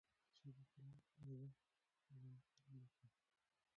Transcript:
زه د قلم په ارزښت یوه مقاله لیکم.